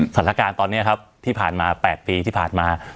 สถานการณ์ตอนนี้ครับที่ผ่านมา๘ปีที่ผ่านมา